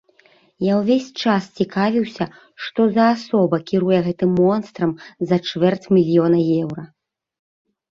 Я ўвесь час цікавіўся, што за асоба кіруе гэтым монстрам за чвэрць мільёна еўра.